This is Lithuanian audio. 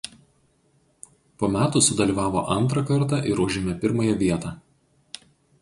Po metų sudalyvavo antrą kartą ir užėmė pirmąją vietą.